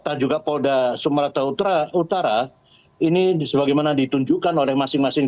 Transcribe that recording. tepat juga polda sumerata utara utara ini sebagaimana ditunjukkan oleh masing masing